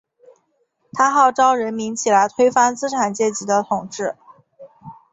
他号召人民起来推翻资产阶级的统治。